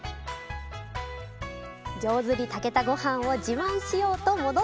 上手に炊けたごはんを自慢しようと戻ってみると。